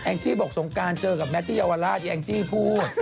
จี้บอกสงการเจอกับแมทที่เยาวราชแองจี้พูด